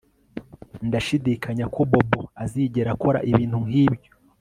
Ndashidikanya ko Bobo azigera akora ibintu nkibyo